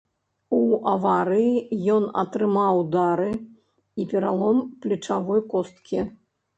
У аварыі ён атрымаў удары і пералом плечавой косткі.